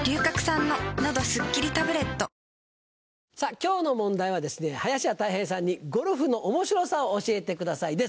今日の問題は林家たい平さんにゴルフの面白さを教えてくださいです。